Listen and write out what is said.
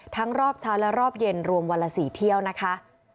รอบเช้าและรอบเย็นรวมวันละ๔เที่ยวนะคะ